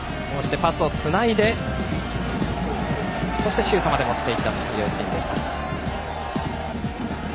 パスをつないでそして、シュートまで持っていったというシーンでした。